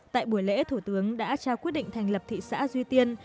tại buổi lễ thủ tướng đã trao quyết định thành lập thị xã duy tiên